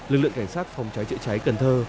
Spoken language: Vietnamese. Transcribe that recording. lực lượng cảnh sát phòng trái trựa cháy cần thơ